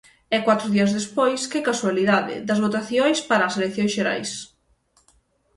E catro días despois, ¡que casualidade!, das votacións para as eleccións xerais.